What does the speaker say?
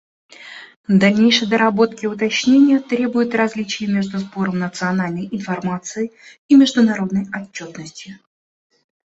Дальнейшей доработки и уточнения требует различие между сбором национальной информации и международной отчетностью.